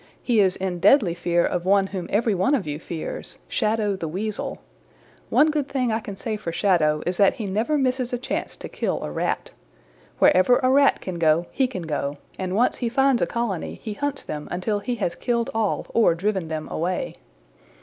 "He is in deadly fear of one whom every one of you fears Shadow the Weasel. One good thing I can say for Shadow is that he never misses a chance to kill a Rat. Wherever a Rat can go he can go, and once he finds a colony he hunts them until he has killed all or driven them away.